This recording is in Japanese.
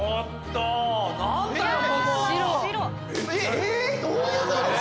えっどういうこと？